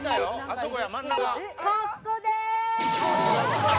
あそこや！